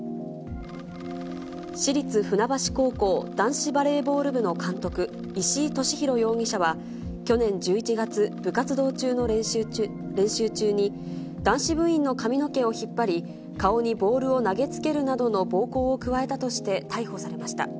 市立船橋高校男子バレーボール部の監督、石井利広容疑者は、去年１１月、部活動中の練習中に、男子部員の髪の毛を引っ張り、顔にボールを投げつけるなどの暴行を加えたとして逮捕されました。